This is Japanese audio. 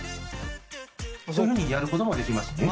そういうふうにやることもできますね。